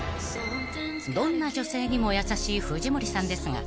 ［どんな女性にも優しい藤森さんですが］